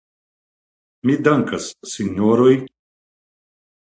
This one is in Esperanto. Mi dankas, sinjoroj.